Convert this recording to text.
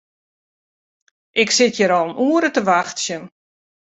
Ik sit hjir al in oere te wachtsjen.